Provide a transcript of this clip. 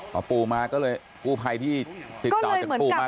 ถอดปูมาเลยผู้ภัยคนที่ผิดต่อจากปูมาไม่เจอ